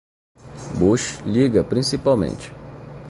Bush liga principalmente.